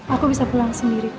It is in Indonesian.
aku bisa pulang sendiri